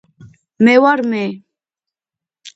მე ვარ მე